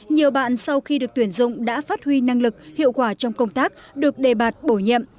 nhiều bạn sau khi được tuyển dụng đã phát huy năng lực hiệu quả trong công tác được đề bạt bổ nhiệm